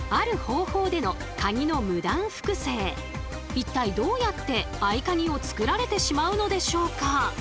一体どうやって合カギを作られてしまうのでしょうか？